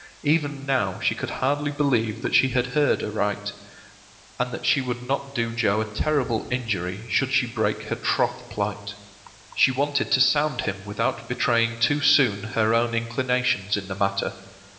Even now she could hardly believe that she had heard aright, and that she would not do Joe a terrible injury should she break her troth plight. She wanted to sound him without betraying too soon her own inclinations in the matter.